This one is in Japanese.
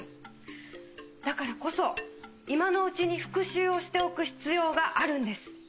だからこそ今のうちに復習をしておく必要があるんです。